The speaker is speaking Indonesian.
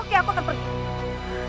oke aku akan pergi